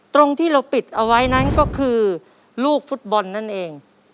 ตรงที่เราปิดเอาไว้นั้นก็คือลูกฟุตบอลนั่นเอง